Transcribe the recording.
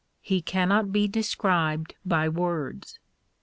He cannot be described by words.